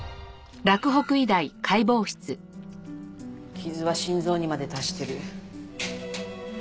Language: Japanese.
傷は心臓にまで達している。